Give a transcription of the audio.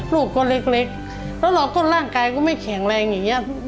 ลูกก็เล็กแล้วเราก็ร่างกายก็ไม่แข็งแรงอย่างนี้